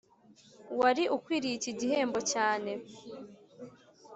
wari ukwiriye iki gihembo cyane.